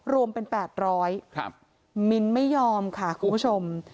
รวมเป็นแปดร้อยครับมิ้นท์ไม่ยอมค่ะคุณผู้ชม